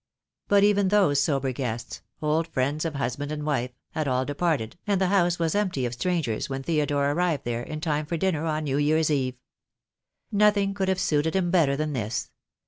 But even those sober guests — old friends of husband and wife — had all departed, and the house was empty of strangers when Theodore arrived there, in time for dinner on New Year's Eve. Nothing could have suited him better than this.